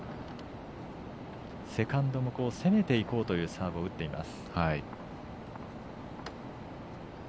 セカンドも攻めていこうというサーブを打っています。